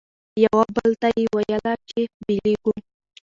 یوه بل ته یې ویله چي بیلیږو